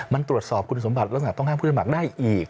มันตรวจสอบของคุณธนสมบัติแล้วลักษณะต้องห้ามผู้ชมักได้อีก